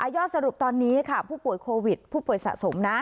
ยอดสรุปตอนนี้ค่ะผู้ป่วยโควิดผู้ป่วยสะสมนะ